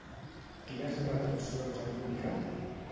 Quines retencions ha comunicat?